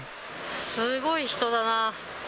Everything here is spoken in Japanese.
すごい人だな。